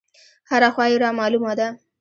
هره خوا يې رامالومه ده.